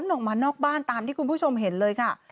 ออกมานอกบ้านตามที่คุณผู้ชมเห็นเลยค่ะ